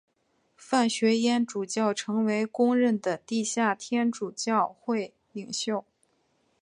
范学淹主教成为公认的地下天主教会领袖。